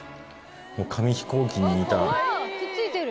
紙飛行機に似た。